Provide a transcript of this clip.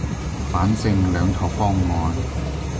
反正兩套方案